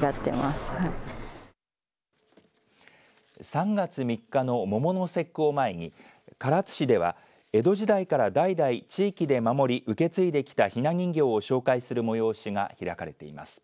３月３日の桃の節句を前に唐津市では江戸時代から代々地域で守り、受け継いできたひな人形を紹介する催しが開かれています。